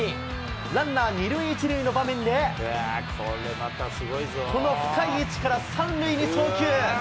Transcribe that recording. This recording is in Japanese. ランナー２塁１塁の場面で、この深い位置から３塁に送球。